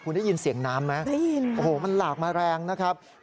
คุณได้ยินเสียงน้ำไหมครับโอ้โฮมันหลากมาแรงนะครับได้ยิน